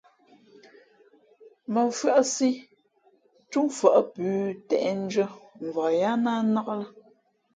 Mά mfʉ́άʼsí túmfα̌ʼ plǔ těʼndʉ́ά mvak yáá ná nnák lά.